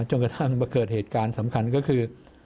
จนกระทั่งมาเกิดเหตุการณ์สำคัญก็คือ